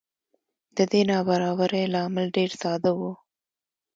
د دې نابرابرۍ لامل ډېر ساده و